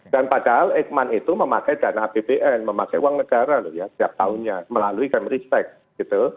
dan padahal eijkman itu memakai dana apbn memakai uang negara setiap tahunnya melalui game respect